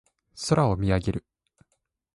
空を見上げる。